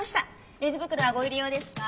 レジ袋はご入り用ですか？